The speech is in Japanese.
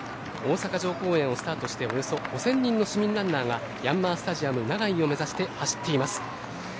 大阪城公園をスタートしておよそ５０００人の市民ランナーがヤンマースタジアム長居を目指して走っています。